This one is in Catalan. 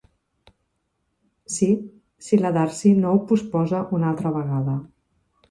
Sí, si la Darcy no ho posposa un altre vegada.